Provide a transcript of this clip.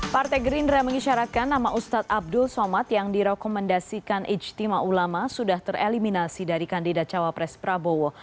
partai gerindra mengisyaratkan nama ustadz abdul somad yang direkomendasikan ijtima ulama sudah tereliminasi dari kandidat cawapres prabowo